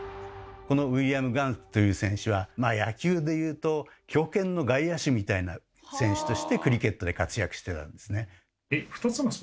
このウィリアム・ガンという選手は野球でいうと強肩の外野手みたいな選手としてクリケットで活躍してたんですね。